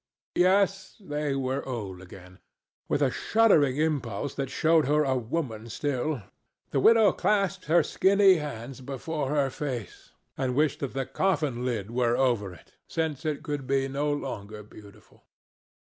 Yes, they were old again. With a shuddering impulse that showed her a woman still, the widow clasped her skinny hands before her face and wished that the coffin lid were over it, since it could be no longer beautiful.